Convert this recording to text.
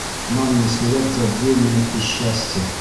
Нам не сулят забвения и счастья.